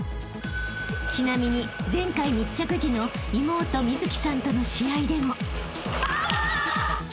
［ちなみに前回密着時の妹美月さんとの試合でも］